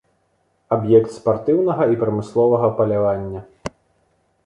Аб'ект спартыўнага і прамысловага палявання.